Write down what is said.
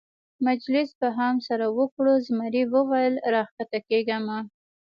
مجلس به هم سره وکړو، زمري وویل: را کښته کېږه مه.